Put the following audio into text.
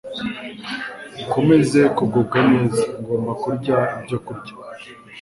ukomeze kugubwa neza. Ngomba kurya ibyokurya